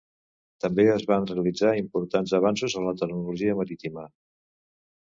També es van realitzar importants avanços a la tecnologia marítima.